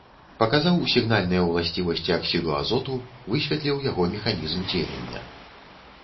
Паказаў сігнальныя ўласцівасці аксіду азоту, высветліў яго механізм дзеяння.